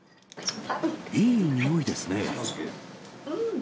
いい匂いですね。